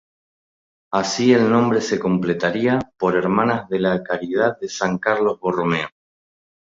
Así al nombre se completaría por Hermanas de la Caridad de San Carlos Borromeo.